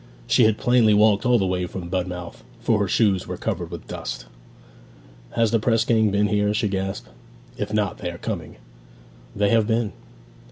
She had plainly walked all the way from Budmouth, for her shoes were covered with dust. 'Has the press gang been here?' she gasped. 'If not they are coming!' 'They have been.'